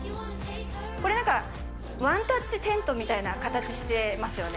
これだから、ワンタッチテントみたいな形してますよね。